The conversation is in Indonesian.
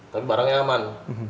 tapi barangnya aman